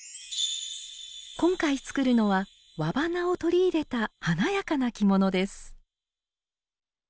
今回作るのは和花を取り入れた華やかな着物です